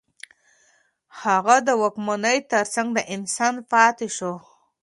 هغه د واکمنۍ ترڅنګ د انسان پاتې شو.